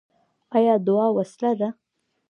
آیا دعا وسله ده؟